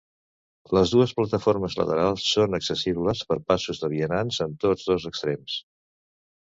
Les dues plataformes laterals són accessibles per passos de vianants en tots dos extrems.